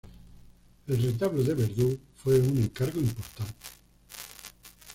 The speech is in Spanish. El retablo de Verdú fue un encargo importante.